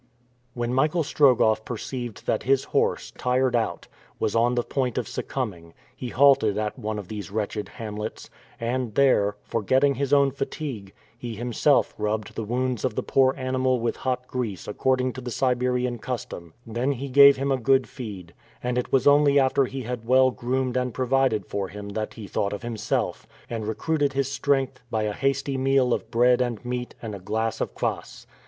When Michael Strogoff perceived that his horse, tired out, was on the point of succumbing, he halted at one of these wretched hamlets, and there, forgetting his own fatigue, he himself rubbed the wounds of the poor animal with hot grease according to the Siberian custom; then he gave him a good feed; and it was only after he had well groomed and provided for him that he thought of himself, and recruited his strength by a hasty meal of bread and meat and a glass of kwass.